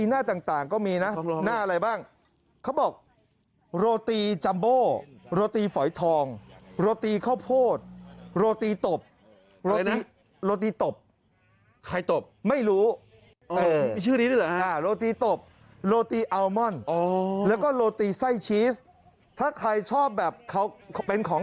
หน้าต่างก็มีนะหน้าอะไรบ้าง